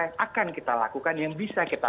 yang akan kita lakukan yang bisa kita